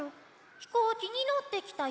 ひこうきにのってきたよ。